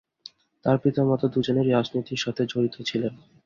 তার পিতামাতা দুজনেই রাজনীতির সাথে জড়িত ছিলেন।